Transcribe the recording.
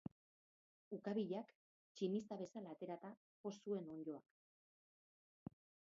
Ukabilak tximista bezala aterata jo zuen onddoa.